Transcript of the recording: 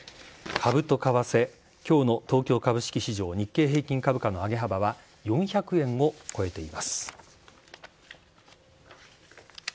株と為替、きょうの東京株式市場、日経平均株価の上げ幅は、４００円を超えています。